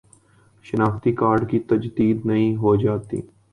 شناختی کارڈ کی تجدید نہیں ہوجاتی